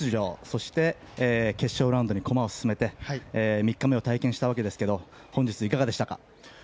そして決勝ラウンドに駒を進め３日目を体験したわけですけど本日、いかがでしたか？